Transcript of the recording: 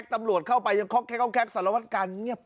ค็กตำรวจเข้าไปยังค็กสละวัคกาลเงียบ